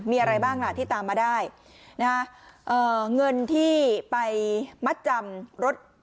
มีอะไรบ้างล่ะที่ตามมาได้นะฮะเอ่อเงินที่ไปมัดจำรถ